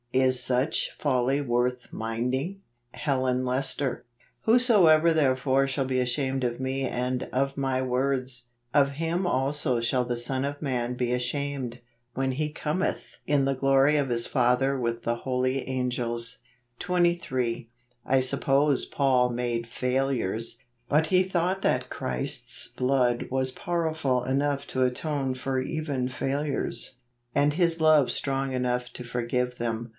Is such folly worth minding? Helen Lester. " Whosoever therefore shall be ashamed o f me and of my icords; of him also shall the Son of man be ashamed , when he cometh in the glory of his Father with the holy angels ." 23. I suppose Paul made failures, but he thought that Christ's blood was powerful enough to atone for even failures, and His love strong enough to forgive them.